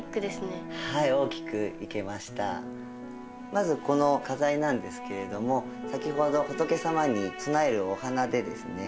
まずこの花材なんですけれども先ほど仏様に供えるお花でですね